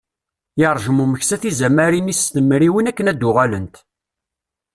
Yerjem umeksa tizamarin-is s temriwin akken ad d-uɣalent.